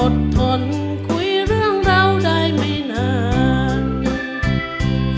ทนคุยเรื่องราวได้ไม่นาน